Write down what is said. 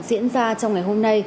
diễn ra trong ngày hôm nay